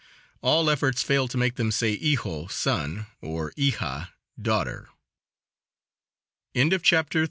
All efforts fail to make them say "hijo" (son) or "hija" (daughter). CHAPTER XXXI.